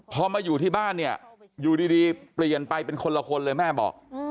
พอมาอยู่ที่บ้านเนี่ยอยู่ดีเปลี่ยนไปเป็นคนละคนเลยแม่บอก